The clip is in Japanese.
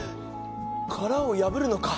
殻を破るのか！